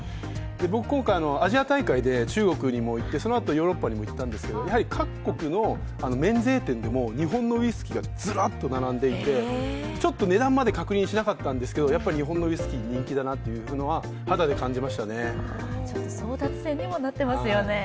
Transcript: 僕、今回アジア大会で中国にも行ってそのあと、ヨーロッパにも行ったんですけど、各国の免税店でも日本のウイスキーがずらっと並んでいて、ちょっと値段まで確認しなかったんですけれども日本のウイスキー人気だなというのは争奪戦にもなってますよね。